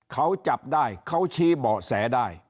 เขาจับได้เขาชี้เบาะแสได้